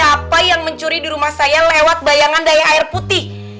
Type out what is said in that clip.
pak rete mau mencuri yang mencuri di rumah saya lewat bayangan daya air putih